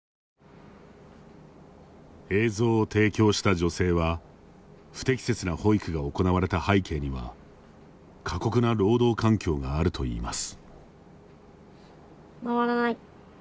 映像を提供した女性は不適切な保育が行われた背景には過酷な労働環境があるといいます。